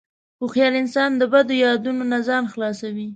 هوښیار انسان د بدو یادونو نه ځان خلاصوي.